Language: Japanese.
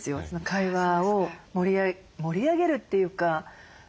会話を盛り上げるっていうか回す。